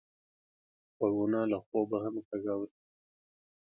غوږونه له خوبه هم غږ اوري